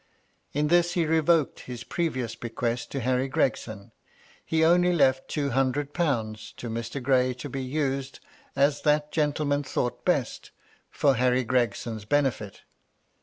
In this he revoked his previous bequest to Harry Gregson. He only left two hundred pounds to Mr. Gray to be used, as that gentleman thought best, for Henry Gregson's benefit.